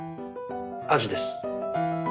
アジです。